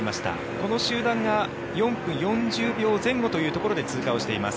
この集団が４分４０秒前後というところで通過をしています。